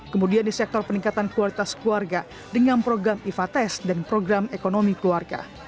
kemudian di sektor peningkatan kualitas keluarga dengan program ifates dan program ekonomi keluarga